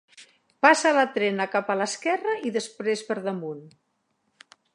Passa la trena cap a l'esquerra i després per damunt.